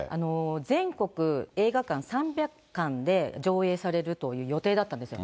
全国映画３００館で上映されるという予定だったんですよ。